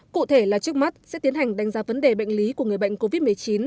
cụ thể là trước mắt sẽ tiến hành đánh giá vấn đề bệnh lý của người bệnh covid một mươi chín